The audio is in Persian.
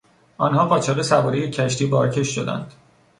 آنها قاچاقی سوار یک کشتی بارکش شدند.